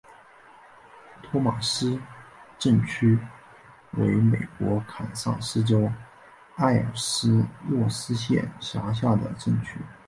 托马斯镇区为美国堪萨斯州埃尔斯沃思县辖下的镇区。